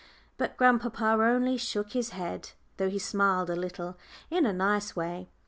But grandpapa only shook his head, though he smiled a little in a nice way.